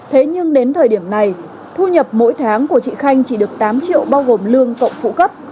thế nhưng đến thời điểm này thu nhập mỗi tháng của chị khanh chỉ được tám triệu bao gồm lương cộng phụ cấp